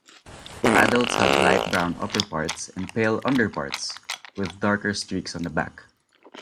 Adults have light brown upperparts and pale underparts, with darker streaks on the back.